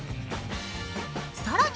さらに